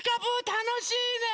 たのしいね。